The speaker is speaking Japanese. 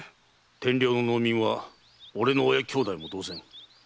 天領の農民は俺の親兄弟も同然。